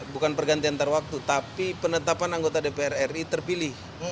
bukan pergantian antar waktu tapi penetapan anggota dpr ri terpilih